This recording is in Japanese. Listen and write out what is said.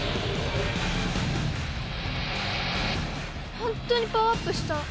ホントにパワーアップした。